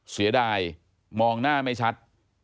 เสียดายมองหน้าไม่ชัด